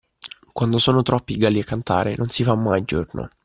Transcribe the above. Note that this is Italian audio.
Quando sono troppi i galli a cantare, non si fa mai giorno.